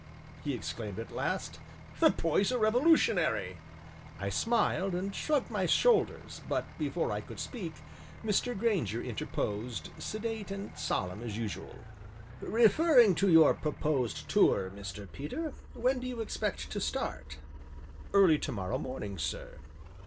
he exclaimed at last, "the boy's a Revolutionary." I smiled and shrugged my shoulders, but, before I could speak, Mr. Grainger interposed, sedate and solemn as usual: "Referring to your proposed tour, Mr. Peter, when do you expect to start?" "Early to morrow morning, sir."